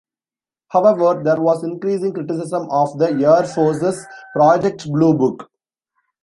However, there was increasing criticism of the Air Force's Project Blue Book.